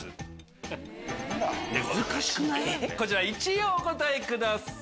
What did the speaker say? １位をお答えください。